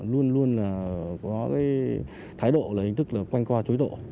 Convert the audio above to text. luôn luôn có thái độ hình thức quanh co chối độ